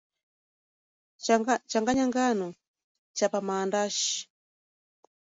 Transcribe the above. changanya ngano na chapa mandaashi